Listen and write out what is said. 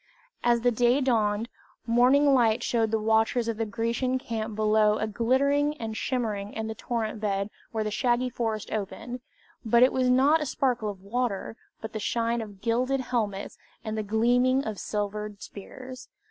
As day dawned, morning light showed the watchers of the Grecian camp below a glittering and shimmering in the torrent bed where the shaggy forests opened; but it was not the sparkle of water, but the shine of gilded helmets and the gleaming of silvered spears.